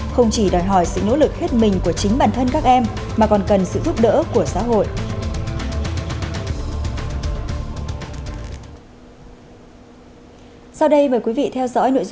không chỉ đòi hỏi sự nỗ lực hết mình của chính bản thân các em mà còn cần sự giúp đỡ của xã hội